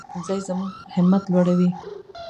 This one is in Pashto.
ښوونځی زموږ همت لوړوي